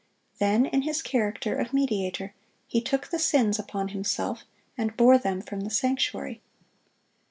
Then, in his character of mediator, he took the sins upon himself and bore them from the sanctuary.